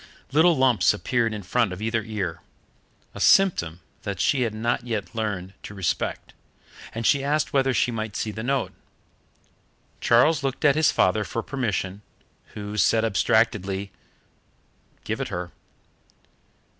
Little lumps appeared in front of either ear a symptom that she had not yet learnt to respect, and she asked whether she might see the note. Charles looked at his father for permission, who said abstractedly, "Give it her."